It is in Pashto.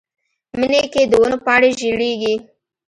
مني کې د ونو پاڼې ژیړیږي